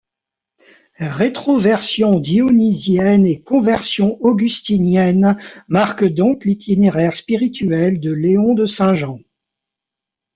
Rétroversion dyonisienne et conversion augustinienne marquent donc l'itinéraire spirituel de Léon de Saint-Jean.